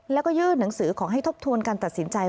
แล้วก็ยื่นหนังสือขอให้ทบทวนการตัดสินใจ